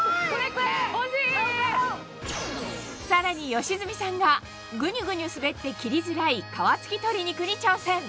さらに良純さんがグニュグニュ滑って切りづらい切るの？